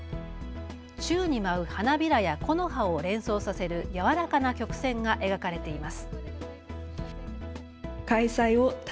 宙に舞う花びらや木の葉を連想させる柔らかな曲線が描かれています。